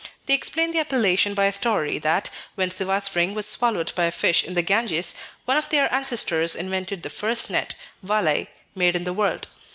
They explain the appellation by a story that, when Siva's ring was swallowed by a fish in the Ganges, one of their ancestors invented the first net (valai) made in the world.